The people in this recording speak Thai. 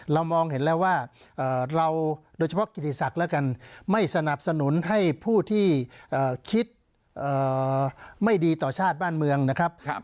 มองเห็นแล้วว่าเราโดยเฉพาะกิติศักดิ์แล้วกันไม่สนับสนุนให้ผู้ที่คิดไม่ดีต่อชาติบ้านเมืองนะครับ